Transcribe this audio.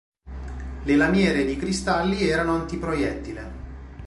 Le lamiere ed i cristalli erano antiproiettile.